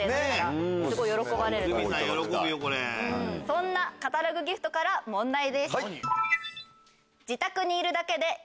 そんなカタログギフトから問題。